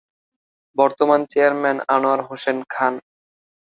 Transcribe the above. বর্তমান চেয়ারম্যান- আনোয়ার হোসেন খান